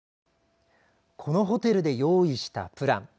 このホテルで用意したプラン。